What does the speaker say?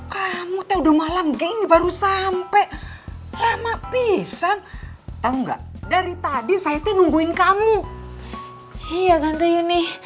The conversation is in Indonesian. kamu udah malam gini baru sampai lama pisan tahu nggak dari tadi saya nungguin kamu iya